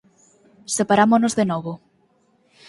Separámonos de novo.